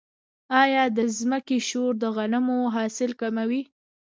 آیا د ځمکې شور د غنمو حاصل کموي؟